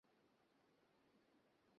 এ কথার উত্তর আর কী হইতে পারে।